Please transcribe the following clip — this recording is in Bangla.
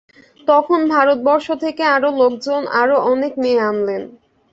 তখন ভারতবর্ষ থেকে আরও লোকজন, আরও অনেক মেয়ে আনলেন।